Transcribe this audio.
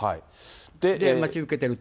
で、待ち受けてると。